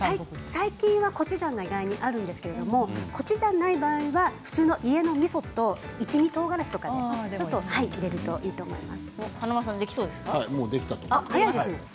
最近はコチュジャンありますけどコチュジャンがない場合は、家のみそと一味とうがらしを入れるといいと思います。